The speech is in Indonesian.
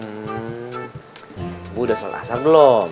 ibu udah sholat asar belum